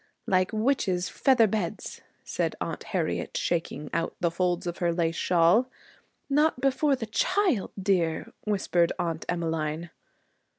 'Like witches' feather beds,' said Aunt Harriet, shaking out the folds of her lace shawl. 'Not before the child, dear,' whispered Aunt Emmeline.